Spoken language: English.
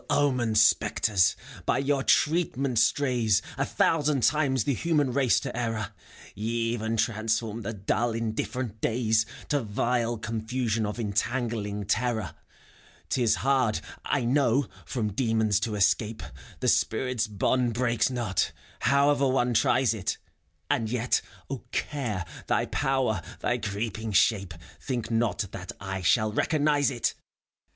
Ill omened spectres! By your treatment strays A thousand times the human race to error : Ye even transform the dull, indifferent days To vile confusion of entangling terror. 'T is hard, I know, from Daemons to escape ; The spirit's bond breaks not, however one tries it; And yet, O Care, thy power, thy creeping shape. Think not that I shall recognize it